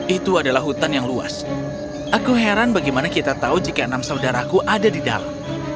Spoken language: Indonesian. itu adalah hutan yang luas aku heran bagaimana kita tahu jika enam saudaraku ada di dalam